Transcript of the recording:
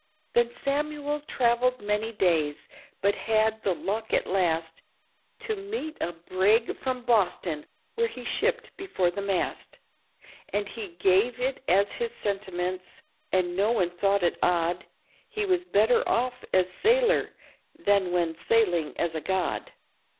Then Samuel travelled many days, but had the luck at last To meet a brig from Boston where he shipped before the mast; And he gave it as his sentiments, and no one thought it odd, He was better off as sailor than when sailing as a god.